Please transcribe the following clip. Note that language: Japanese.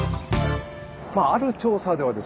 ある調査ではですね